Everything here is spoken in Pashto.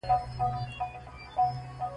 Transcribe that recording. د یوه دایمي غړي مخالفت د اجرا مانع ګرځي.